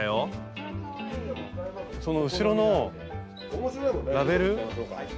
その後ろのラベル？